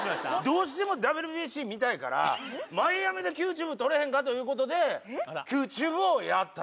どうしてもＷＢＣ見たいからマイアミで「ＱＴｕｂｅ」撮れへんか？ということで「ＱＴｕｂｅ」をやった。